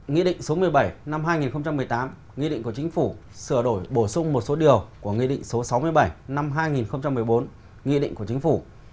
nghị định số một mươi bảy năm hai nghìn một mươi tám nghị định của chính phủ sửa đổi bổ sung một số điều của nghị định số sáu mươi bảy năm hai nghìn một mươi bốn nghị định của chính phủ